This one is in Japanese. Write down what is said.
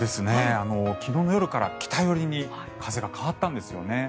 昨日の夜から北寄りに風が変わったんですよね。